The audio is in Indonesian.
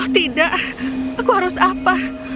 tidak aku harus apa